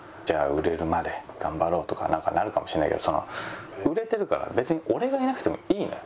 売れるまで頑張ろうとかなんかなるかもしれないけど売れてるから別に俺がいなくてもいいのよ。